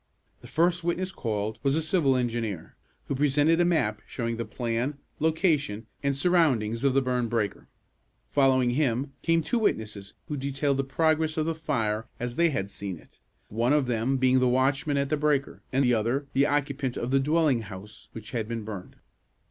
The first witness called was a civil engineer, who presented a map showing the plan, location and surroundings of the burned breaker. Following him came two witnesses who detailed the progress of the fire as they had seen it, one of them being the watchman at the breaker, and the other the occupant of the dwelling house which had been burned.